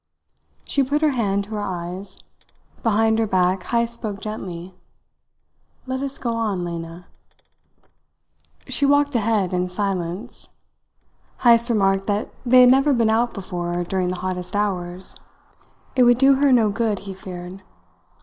She put her hand to her eyes. Behind her back Heyst spoke gently. "Let us get on, Lena." She walked ahead in silence. Heyst remarked that they had never been out before during the hottest hours. It would do her no good, he feared.